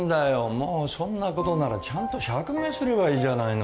もうそんなことならちゃんと釈明すればいいじゃないの。